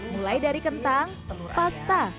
mulai dari kentang pasta